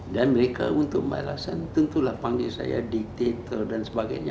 dan mereka untuk balasan tentulah panggil saya diktator dan sebagainya